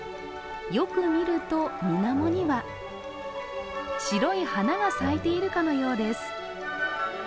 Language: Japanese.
よく見ると、水面には白い花が咲いているかのようです。